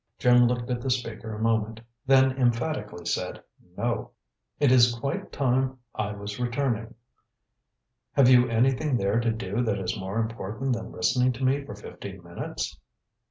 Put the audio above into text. Jim looked at the speaker a moment, then emphatically said "No!" "It is quite time I was returning." "Have you anything there to do that is more important than listening to me for fifteen minutes?"